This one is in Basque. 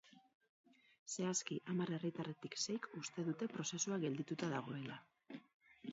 Zehazki, hamar herritarretatik seik uste dute prozesua geldituta dagoela.